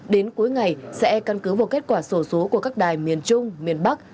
đến cuối ngày sẽ căn cứ vào kết quả sổ số của các đài miền trung miền bắc